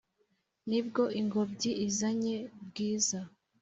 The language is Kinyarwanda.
nibwo ingobyi izanye bwiza